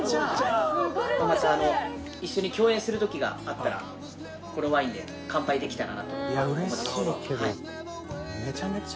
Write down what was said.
もしあの一緒に共演する時があったらこのワインで乾杯できたらなと思います。